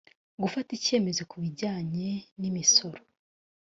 gufata icyemezo ku bijyanye n imisoro